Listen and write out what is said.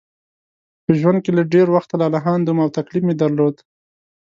په ژوند کې له ډېر وخته لالهانده وم او تکلیف مې درلود.